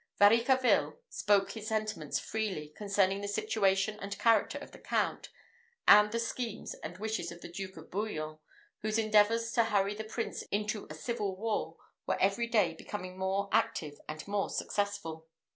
Varicarville spoke his sentiments freely concerning the situation and character of the Count, and the schemes and wishes of the Duke of Bouillon, whose endeavours to hurry the Prince into a civil war were every day becoming more active and more successful.